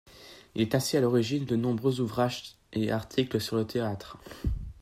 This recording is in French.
Il est ainsi à l’origine de nombreux ouvrages et articles sur le théâtre.